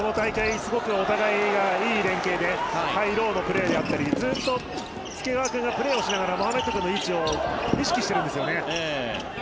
すごくお互いがいい連携でハイローのプレーであったりずっと介川君がプレーをしながらモハメッド君の位置を意識しているんですよね。